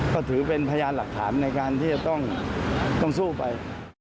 ก็ถือเป็นพยานหลักฐานในการที่จะต้องสู้ไป